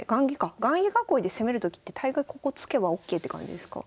雁木囲いで攻めるときって大概ここ突けばＯＫって感じですか？